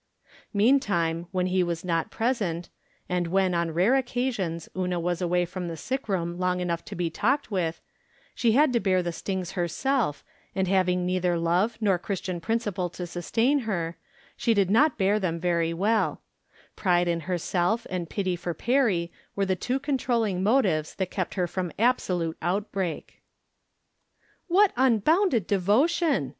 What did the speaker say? Meantime, when he was not present, and when, on rare occasions, Una was away from the sick room long enough to be talked with, she had to bear the stings herself, and having neither love nor Christian principle to sustain her, she did not bear them very well ; pride in herself and pity for Perry were the two controlling motives that kept her from absolute outbreak. " What unbounded devotion